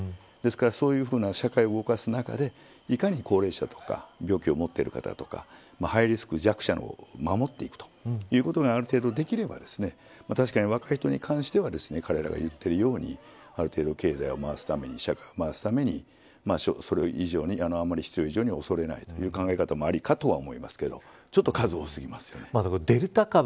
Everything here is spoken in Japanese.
ですからそういうふうな社会を動かす中でいかに高齢者や病気を持っている方とかハイリスク、弱者を守っていくことがある程度できれば確かに若い人に関しては彼らがいっているようにある程度、経済を回すために社会を回すために、それ以上に必要以上に恐れないという考え方もありかとは思いますがちょっと数が多過ぎますよね。